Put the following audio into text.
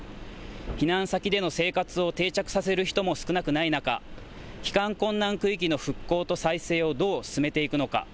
避難先での生活を定着させる人も少なくない中、帰還困難区域の復興と再生をどう進めていくのか。